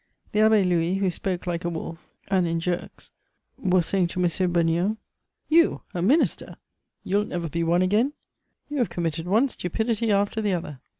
The Abbé Louis, who spoke like a wolf and in jerks, was saying to M. Beugnot: "You, a minister? You'll never be one again! You have committed one stupidity after the other!"